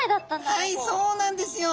はいそうなんですよ。